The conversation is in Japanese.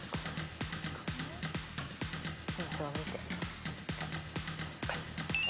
ヒントを見て。